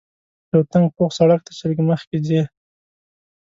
یو تنګ پوخ سړک دی چې لږ مخکې ځې.